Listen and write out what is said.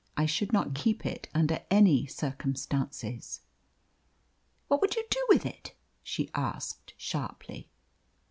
I should not keep it under any circumstances." "What would you do with it?" she asked sharply.